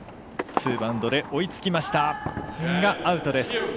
ツーバウンドで追いつきましたがアウトです。